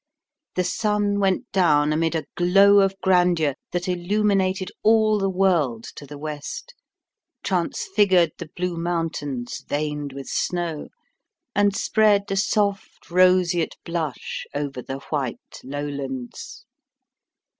The sun went down amid a glow of grandeur that illuminated all the world to the west, transfigured the blue mountains veined with snow, and spread a soft roseate blush over the white lowlands.